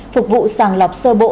phục vụ sàng lọc sơ bộ